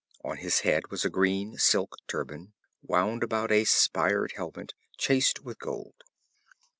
On his head was a green silk turban, wound about a spired helmet chased with gold.